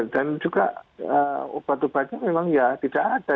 dan juga obat obatnya memang ya tidak ada